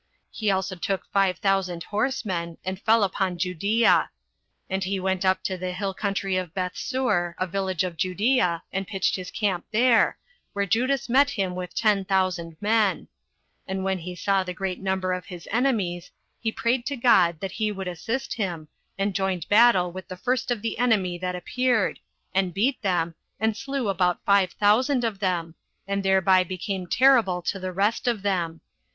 He also took five thousand horsemen, and fell upon Judea; and he went up to the hill country of Bethsur, a village of Judea, and pitched his camp there, where Judas met him with ten thousand men; and when he saw the great number of his enemies, he prayed to God that he would assist him, and joined battle with the first of the enemy that appeared, and beat them, and slew about five thousand of them, and thereby became terrible to the rest of them.